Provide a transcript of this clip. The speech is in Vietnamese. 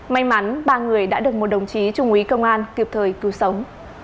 may mắn ba người đã được một đồng chí trung úy công an kịp thời cứu sống